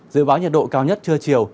dự báo nhiệt độ cao nhất trưa chiều